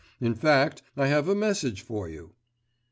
In fact, I have a message for you.